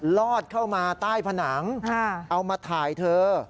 ลอดเข้ามาใต้ผนังเอามาถ่ายเธอ